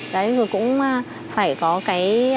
đấy rồi cũng phải có cái